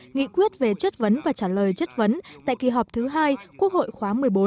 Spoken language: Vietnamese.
nghị quyết về chất vấn và trả lời chất vấn tại kỳ họp thứ hai quốc hội khóa một mươi bốn